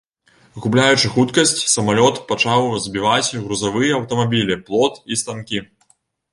Губляючы хуткасць, самалёт пачаў збіваць грузавыя аўтамабілі, плот і станкі.